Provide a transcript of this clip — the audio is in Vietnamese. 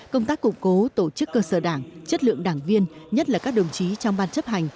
công tác cục cố tổ chức cơ sở đảng chất lượng đảng viên nhất là các đồng chí trong ban chấp hành